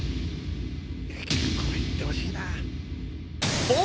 これ行ってほしいな。